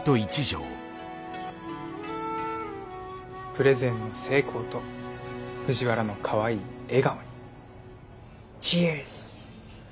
プレゼンの成功と藤原のかわいい笑顔にＣｈｅｅｒｓ！